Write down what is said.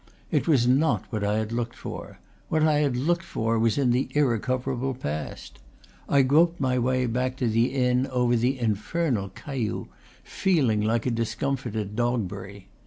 It was not what I had looked for; what I had looked for was in the irrecoverable past. I groped my way back to the inn over the infernal cailloux, feeling like a dis comfited Dogberry.